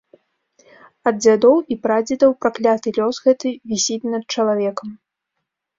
Ад дзядоў і прадзедаў пракляты лёс гэты вісіць над чалавекам.